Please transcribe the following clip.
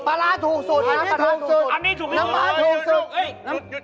ปลาร้าถูกสุดน้ำปลาถูกสุด